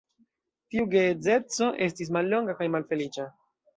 Tiu geedzeco estis mallonga kaj malfeliĉa.